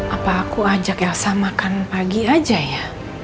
apa aku ajak yasa makan pagi aja ya